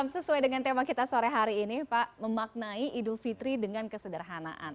sesuai dengan tema kita sore hari ini pak memaknai idul fitri dengan kesederhanaan